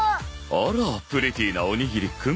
あらプリティなおにぎりくん